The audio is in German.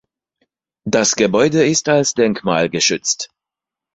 Das Gebäude ist als Denkmal geschützt.